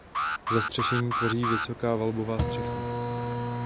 Zastřešení tvoří vysoká valbová střecha.